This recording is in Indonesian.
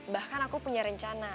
bahkan aku punya rencana